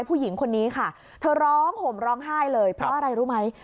ผู้หญิงคนนี้ค่ะเธอร้องห่มร้องไห้เลยเพราะอะไรรู้ไหม